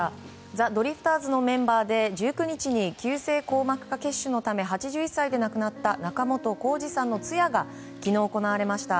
ザ・ドリフターズのメンバーで１９日に急性硬膜下血腫のため８１歳で亡くなった仲本工事さんの通夜が昨日、行われました。